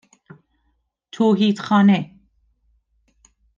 توحیدخانه